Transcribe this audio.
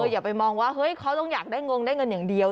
อย่าไปมองว่าเฮ้ยเขาต้องอยากได้งงได้เงินอย่างเดียว